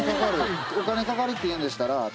お金かかるっていうんでしたら。